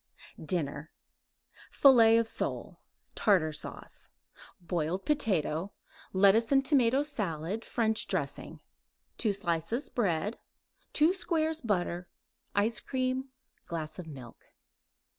DINNER Fillet of sole, Tartar sauce; boiled potato; lettuce and tomato salad, French dressing; 2 slices bread; 2 squares butter; ice cream; glass of milk.